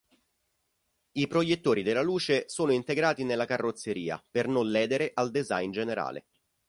I proiettori della luce sono integrati nella carrozzeria per non ledere al design generale.